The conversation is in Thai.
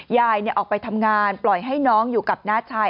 ยายออกไปทำงานปล่อยให้น้องอยู่กับน้าชาย